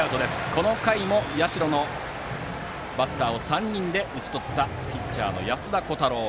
この回も社のバッターを３人で打ち取ったピッチャーの安田虎汰郎。